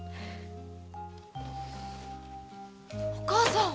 お母さん。